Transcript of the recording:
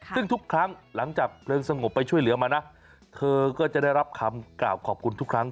ซึ่งทุกครั้งหลังจากเพลิงสงบไปช่วยเหลือมานะเธอก็จะได้รับคำกล่าวขอบคุณทุกครั้ง